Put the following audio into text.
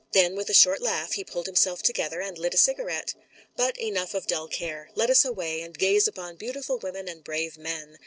Then with a short laugh he pulled himself together, and lit a cigarette. "But enough of dull care. Let us away, and gaze upon beautiful women and brave men.